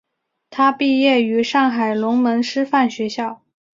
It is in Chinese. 他毕业于上海龙门师范学校。